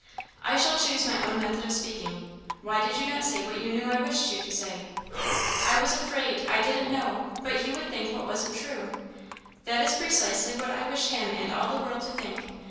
"I shall choose my own method of speaking. Why did you not say what you knew I wished you to say?" "I was afraid I didn't know but he would think what wasn't true." "That is precisely what I wish him and all the world to think.